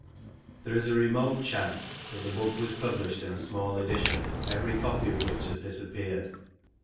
There is a remote chance that the book was published in a small edition, every copy of which has disappeared.